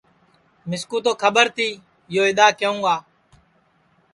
مِسکُو تو کھٻر تی یو اِدؔا کیہوں گا